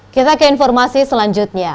kita ke informasi selanjutnya